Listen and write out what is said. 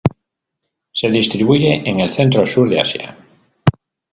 Se distribuye en el centro-sur de Asia.